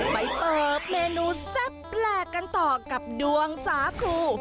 ไปเปิดเมนูแซ่บแปลกกันต่อกับดวงสาคู